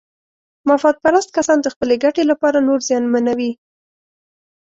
مفاد پرست کسان د خپلې ګټې لپاره نور زیانمنوي.